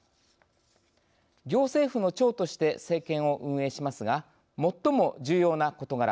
行政府の長として政権を運営しますが最も重要な事柄